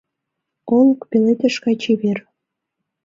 Олык пеледыш гай чевер.